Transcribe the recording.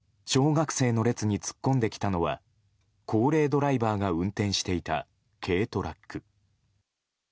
優君たち小学生の列に突っ込んできたのは高齢ドライバーが運転していた軽トラック。